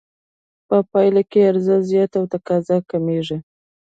په پایله کې عرضه زیاته او تقاضا کمېږي